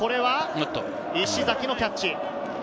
石崎のキャッチ。